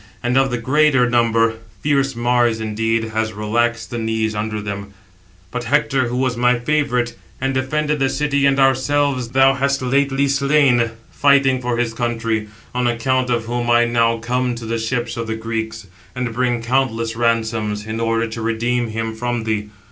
And of the greater number fierce Mars indeed has relaxed the knees under them; but Hector, who was my favourite, 793 and defended the city and ourselves, thou hast lately slain, fighting for his country; on account of whom I now come to the ships of the Greeks, and bring countless ransoms, in order to redeem him from thee.